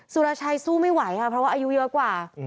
สุรชัยสู้ไม่ไหวค่ะเพราะว่าอายุเยอะกว่า